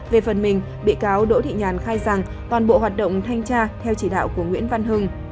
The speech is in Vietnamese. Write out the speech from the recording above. về phần mình bị cáo đỗ thị nhàn khai rằng toàn bộ hoạt động thanh tra theo chỉ đạo của nguyễn văn hưng